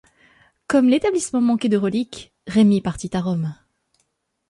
Comme l'établissement manquait de relique, Remi partit à Rome.